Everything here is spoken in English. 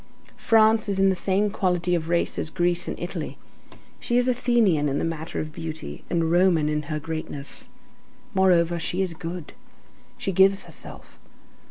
France is in the same quality of race as Greece and Italy. She is Athenian in the matter of beauty, and Roman in her greatness. Moreover, she is good. She gives herself.